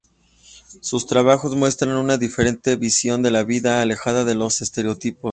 Sus trabajos muestran una diferente visión de la vida, alejada de los estereotipos.